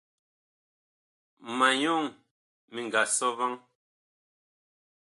Ma nyɔŋ mi nga sɔ vaŋ.